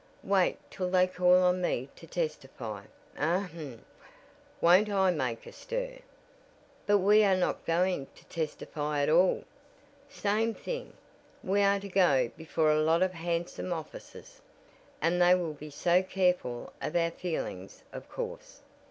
Wait till they call on me to testify! Ahem! Won't I make a stir!" "But we are not going to testify at all " "Same thing. We are to go before a lot of handsome officers, and they will be so careful of our feelings, of course.